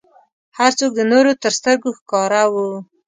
هر څوک د نورو تر سترګو ښکاره و.